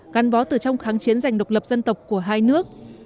gắn bó từ trong kháng chiến giành độc lập dân tộc của hai nước